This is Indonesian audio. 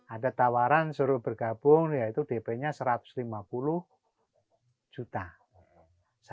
ada tawaran suruh bergabung yaitu dp nya satu ratus lima puluh juta